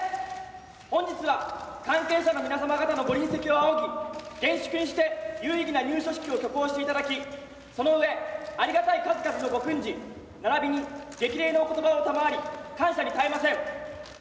本日は関係者の皆様方のご臨席をあおぎ、厳粛にして有意義な入所式を挙行していただき、その上、ありがたい数々のご訓示、ならびに激励のおことばを賜り、感謝に堪えません。